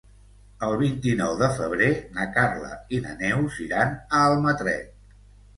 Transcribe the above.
El vint-i-nou de febrer na Carla i na Neus iran a Almatret.